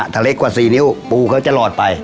ถ้าเล็กกว่า๔นิ้วปูเขาจะหลอดไป